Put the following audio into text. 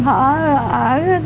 tròi công an